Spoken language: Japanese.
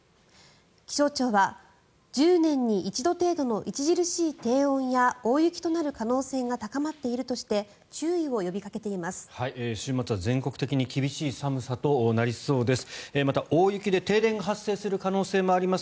気象庁は１０年に一度程度の著しい低温や大雪となる可能性が高まっているとして注意を呼びかけています。